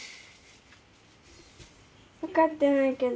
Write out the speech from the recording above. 分かってないけど。